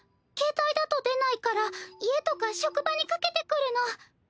携帯だと出ないから家とか職場に掛けてくるの。